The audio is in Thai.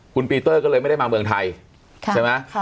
คุณปีเตอร์ก็เลยไม่ได้มาเมืองไทยใช่ไหม